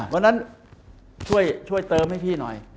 วันนั้นช่วยเติมให้พี่หน่อย